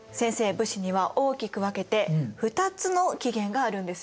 武士には大きく分けて２つの起源があるんですよね？